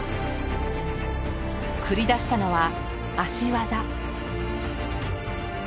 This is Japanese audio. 繰り出したのは足技。